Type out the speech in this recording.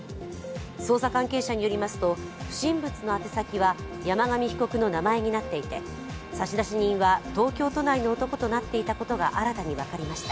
捜査関係者によりますと不審物の宛先は山上被告の名前になっていて、差出人は東京都内の男となっていたことが新たに分かりました。